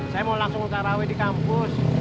saya mau langsung taraweh di kampus